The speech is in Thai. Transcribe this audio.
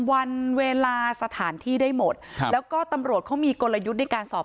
วันเวลาสถานที่ได้หมดครับแล้วก็ตำรวจเขามีกลยุทธ์ในการสอบ